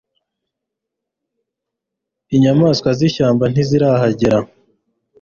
inyamaswa z'ishyamba ntizirahagera